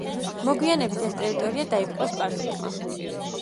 მოგვიანებით ეს ტერიტორია დაიპყრო სპარსეთმა.